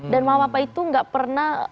dan mama papa itu gak pernah